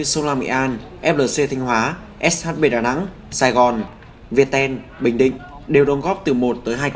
xin chào và hẹn gặp lại